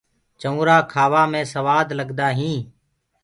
چونٚرآ کآوآ مي سوآ لگدآ هينٚ۔